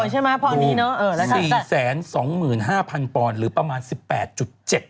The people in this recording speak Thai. ใช่ไหมเพราะอันนี้เนอะ๔๒๕๐๐๐ปอนด์หรือประมาณ๑๘๗ล้านบาท